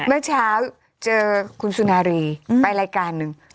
เมื่อเช้าเจอคุณสุนารีไปรายการหนึ่ง